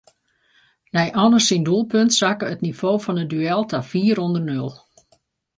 Nei Anne syn doelpunt sakke it nivo fan it duel ta fier ûnder nul.